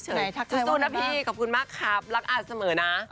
สู้นะพี่ขอบคุณมากครับรักอาเสมอนะ